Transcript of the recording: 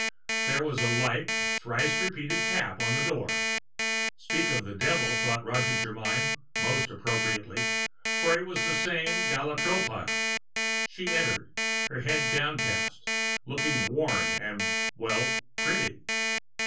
There was a light, thrice repeated tap on the door. Speak of the devil, thought Roget Germyn most appropriately; for it was that same Gala Tropile. She entered, her head downcast, looking worn and well, pretty.